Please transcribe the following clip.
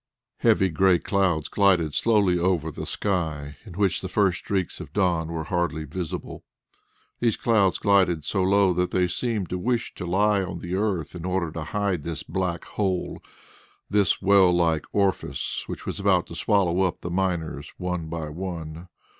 Heavy grey clouds glided slowly over the sky, in which the first streaks of dawn were hardly visible. These clouds glided so low that they seemed to wish to lie on the earth in order to hide this black hole, this well like orifice which was about to swallow up the miners one by one.